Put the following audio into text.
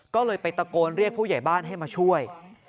ก็เลยไปตะโกนเรียกผู้ใหญ่บ้านให้มาช่วย